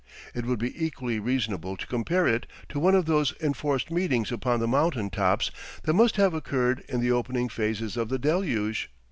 It would be equally reasonable to compare it to one of those enforced meetings upon the mountain tops that must have occurred in the opening phases of the Deluge.